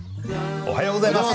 おはようございます。